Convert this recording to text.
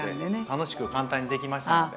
楽しく簡単にできましたので。